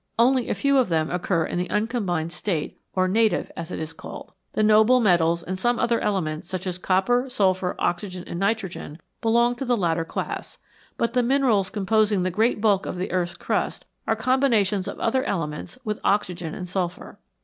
Only a few of them occur in the uncombined state, or " native " as it is called. The noble metals and some other elements, such as copper, sulphur, oxygen, and nitrogen, belong to the latter class, but the minerals composing the great bulk of the earth's crust are com binations of the other elements with oxygen and sulphur.